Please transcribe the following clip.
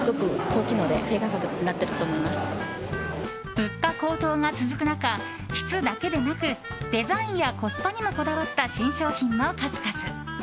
物価の高騰が続く中質だけでなくデザインやコスパにもこだわった新商品の数々。